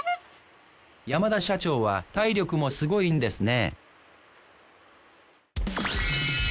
山田社長は体力もスゴいんですね。